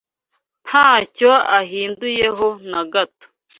ntacyo ahinduyeho na gato